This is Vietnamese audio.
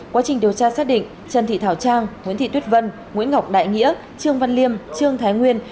quá trình điều tra xác định trần thị thảo trang nguyễn thị tuyết vân nguyễn ngọc đại nghĩa trương văn liêm trương thái nguyên